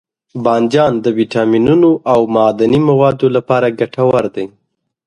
بانجان د ویټامینونو او معدني موادو لپاره ګټور دی.